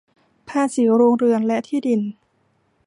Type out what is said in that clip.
ภาษีโรงเรือนและที่ดิน